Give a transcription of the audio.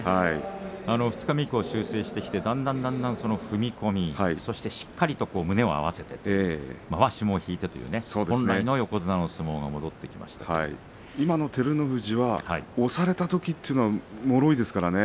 二日目以降、修正してだんだん踏み込みそしてしっかりと胸を合わせてまわしも引いてという本来の今の照ノ富士は押されたときというのはもろいですからね。